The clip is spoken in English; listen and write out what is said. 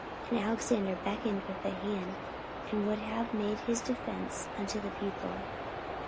And Alexander beckoned with the hand, and would have made his defence unto the people.